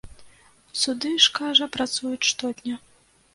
Суды ж, кажа, працуюць штодня.